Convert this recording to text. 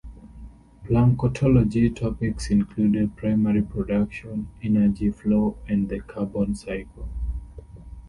Planktology topics include primary production, energy flow and the carbon cycle.